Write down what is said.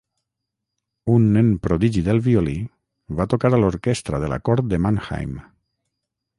Un nen prodigi del violí, va tocar a l'orquestra de la cort de Mannheim.